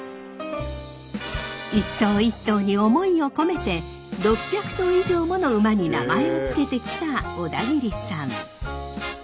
一頭一頭に思いを込めて６００頭以上もの馬に名前を付けてきた小田切さん。